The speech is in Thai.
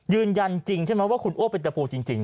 ยืนยันจริงใช่มั้ยว่าคุณอ้วกเป็นตะบูต์จริง